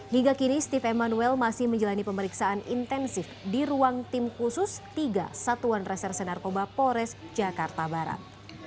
hingga kini steve emmanuel masih menjalani pemeriksaan intensif di ruang tim khusus tiga satuan reserse narkoba polres jakarta barat